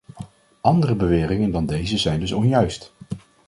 Andere beweringen dan deze zijn dus onjuist.